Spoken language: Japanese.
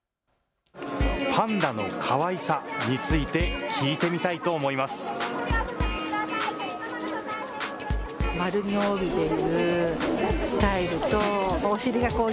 パンダのかわいさについて聞いてみたいと思います。